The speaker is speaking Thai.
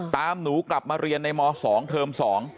หนูกลับมาเรียนในม๒เทอม๒